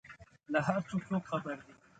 له هر څه څوک خبر دي؟